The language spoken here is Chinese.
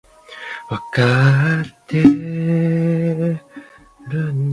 牢猫回来了